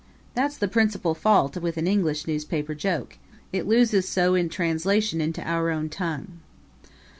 That's the principal fault with an English newspaper joke it loses so in translation into our own tongue.